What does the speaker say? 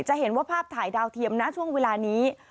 จะเห็นว่าภาพถ่ายดาวเทียมนะช่วงเวลานี้